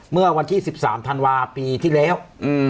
เมื่อวันที่สิบสามธันวาคมปีที่แล้วอืม